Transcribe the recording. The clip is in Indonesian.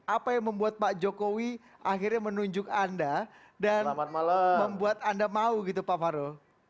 apa yang membuat pak jokowi akhirnya menunjuk anda dan membuat anda mau gitu pak farul